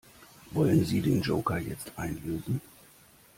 Wollen Sie den Joker jetzt einlösen?